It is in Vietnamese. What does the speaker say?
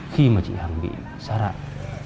khi mà chị hằng bị xa rạng